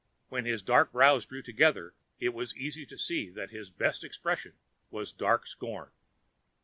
When his dark brows drew together it was easy to see that his best expression was dark scorn.